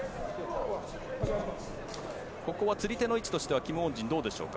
ここは釣り手の位置としてはキム・ウォンジンどうでしょうか。